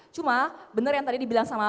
cuma bener yang tadi dibilang sama